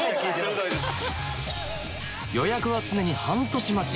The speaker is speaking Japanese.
予約は常に半年待ち！